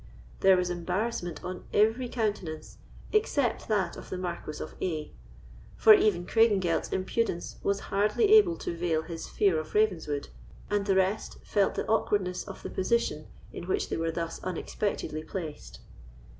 There was embarrassment on every countenance except that of the Marquis of A——; for even Craigengelt's impudence was hardly able to veil his fear of Ravenswood, and the rest felt the awkwardness of the position in which they were thus unexpectedly placed.